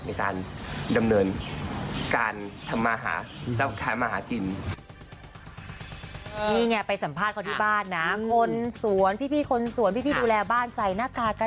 ในการดำเนินการทำมาหาแล้วแค้นมาหากิน